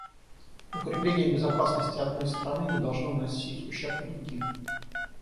Укрепление безопасности одной страны не должно наносить ущерба другим.